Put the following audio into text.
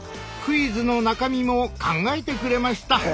クイズの中身も考えてくれました。